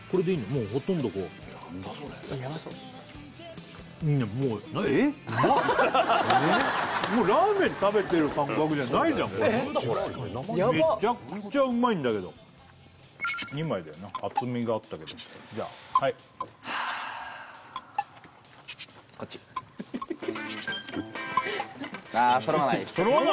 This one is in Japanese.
もうほとんどこう何だそれもうラーメン食べてる感覚じゃないじゃんメチャクチャうまいんだけど２枚だよな厚みがあったけどじゃあはいはあこっちそろわない？